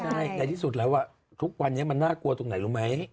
ใช่ในที่สุดแล้วทุกวันนี้มันน่ากลัวตรงไหนรู้ไหม